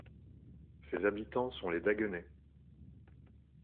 Ses habitants sont les Daguenais.